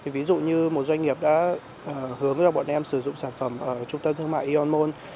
ví dụ như một doanh nghiệp đã hướng cho bọn em sử dụng sản phẩm ở trung tâm thương mại ionmon